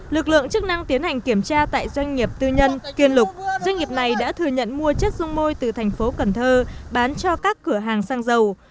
lực lượng chức năng tiến hành kiểm tra tại doanh nghiệp tư nhân kiên lục doanh nghiệp này đã thừa nhận mua chất dung môi từ thành phố cần thơ bán cho các cửa hàng xăng dầu